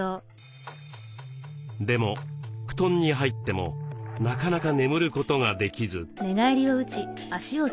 でも布団に入ってもなかなか眠ることができず。